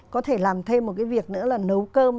có thể làm thêm một cái việc nữa là nấu cơm